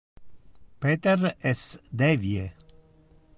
Peter es devie.